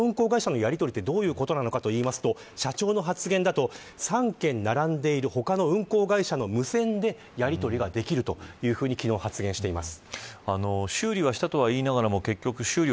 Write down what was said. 具体的に他の運航会社とやり取りというのはどういうことなのかと言いますと社長の発言だと３件並んでいる他の運航会社の無線でやりとりができるというふうに昨日、発言をしています。